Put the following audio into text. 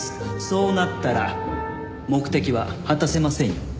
そうなったら目的は果たせませんよ。